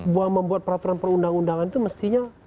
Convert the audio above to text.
buang membuat peraturan perundang undangan itu mestinya